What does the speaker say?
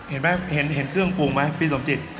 เห็นไปเห็นเครื่องปรุงมั้ยพี่สมจิ๊จ